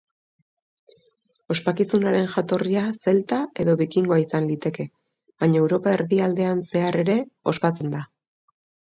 Ospakizunaren jatorria zelta edo bikingoa izan liteke, baina Europa erdialdean zehar ere ospatzen da.